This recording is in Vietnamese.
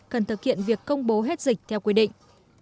cần thực hiện việc công bố hết dịch theo quy định